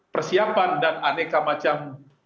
persiapan dan aneka macam